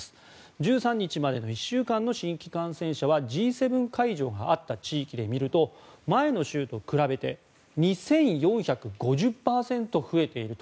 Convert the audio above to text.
１３日までの１週間の新規感染者はＧ７会場があった地域で見ると前の週と比べて、２４５０％増えていると。